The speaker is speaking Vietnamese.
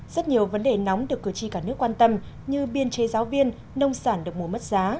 rất nhiều vấn đề nóng được cử tri cả nước quan tâm như biên chế giáo viên nông sản được mùa mất giá